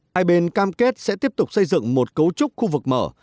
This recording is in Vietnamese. hai bên cam kết sẽ tiếp tục xây dựng một cấu trúc khu vực mở